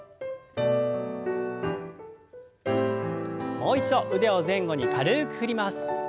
もう一度腕を前後に軽く振ります。